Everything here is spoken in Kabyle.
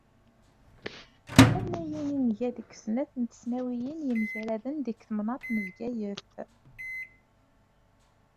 Tannayin i nga deg snat n tesnawiyin yemgaraden deg temnaḍt n Bgayet.